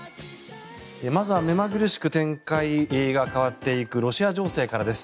まずは目まぐるしく展開が変わっていくロシア情勢からです。